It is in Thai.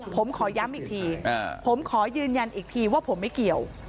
ผมขอย้ำอีกทีผมขอยืนยันอีกทีว่าผมไม่เกี่ยว